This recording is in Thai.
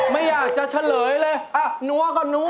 ไม่อยากจะเฉลยเลยนัวก็นัว